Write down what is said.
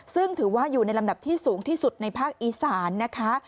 ซึ่งถือว่าอยู่ในลำดับที่สูงที่สุดในภาคอีสานนะคะ